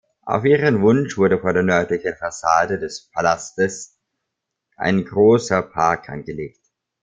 Auf ihren Wunsch wurde vor der nördlichen Fassade des Palastes ein großer Park angelegt.